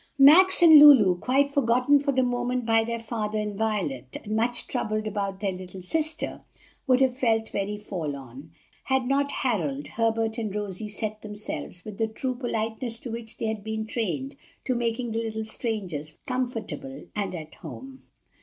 Max and Lulu, quite forgotten for the moment by their father and Violet, and much troubled about their little sister, would have felt very forlorn, had not Harold, Herbert, and Rosie set themselves, with the true politeness to which they had been trained, to making the little strangers comfortable and at home.